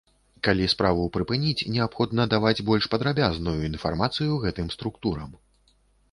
Калі справу прыпыніць, неабходна даваць больш падрабязную інфармацыю гэтым структурам.